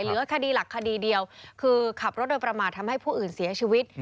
เหลือคดีหลักคดีเดียวคือขับรถโดยประมาททำให้ผู้อื่นเสียชีวิต